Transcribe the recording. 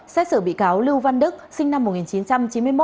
xét xử bị cáo lưu văn đức sinh năm một nghìn chín trăm chín mươi một